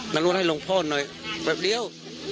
มันว่าให้ลงพ่อหน่อยแบบเดี๋ยว